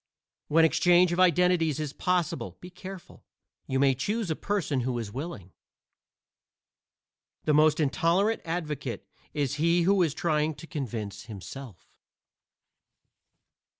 When exchange of identities is possible, be careful; you may choose a person who is willing. The most intolerant advocate is he who is trying to convince himself.